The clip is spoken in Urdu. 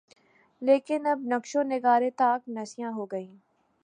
لیکن اب نقش و نگارِ طاق نسیاں ہو گئیں